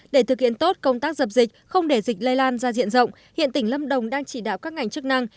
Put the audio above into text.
để thực hiện tốt công tác dập dịch không để dịch lây lan ra diện rộng hiện tỉnh lâm đồng đang chỉ đạo các ngành chức năng